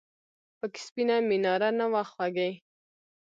پکې سپینه میناره نه وه خوږې !